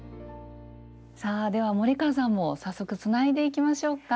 さあでは森川さんも早速つないでいきましょうか。